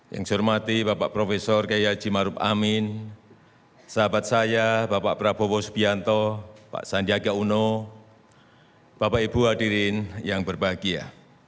yang saya hormati bapak profesor kiai haji maruf amin sahabat saya bapak prabowo subianto pak sandiaga uno bapak ibu hadirin yang berbahagia